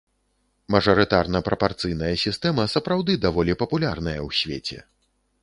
Мажарытарна-прапарцыйная сістэма сапраўды даволі папулярная ў свеце.